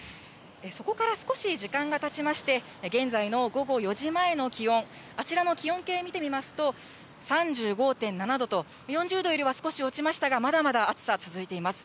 そこから少し時間がたちまして、現在の午後４時前の気温、あちらの気温計見てみますと、３５．７度と、４０度よりは少し落ちましたが、まだまだ暑さ続いています。